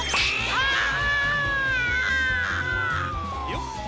よっ！